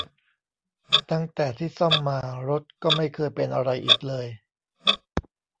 ตั้งแต่ที่ซ่อมมา รถก็ไม่เคยเป็นอะไรอีกเลย